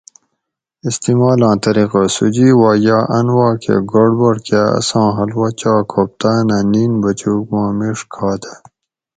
استعمالاں طریقہ:- سوجی وا یا ان وا کہ گڑبڑ کا اساں حلوہ چا کھوپتانہ نین بچوگ ما میڛ کھا دہ